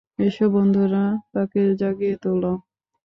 এসো বন্ধুরা, তাকে জাগিয়ে তোলো।